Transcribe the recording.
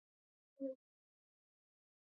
څنګه کولی شم د ماشومانو لپاره د جنت د مغفرت بیان کړم